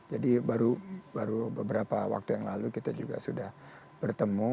jadi baru beberapa waktu yang lalu kita juga sudah bertemu